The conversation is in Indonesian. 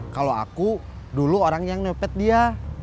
kalau aku dulu orang yang nepet dia